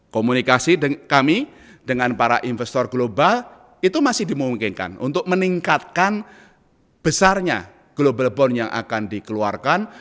komunikasi kami dengan para investor global itu masih dimungkinkan untuk meningkatkan besarnya global bond yang akan dikeluarkan